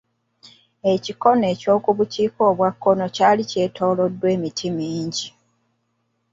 Ekikono kino eky'obukiika obwa kkono kyali kyetooloddwa emiti mingi.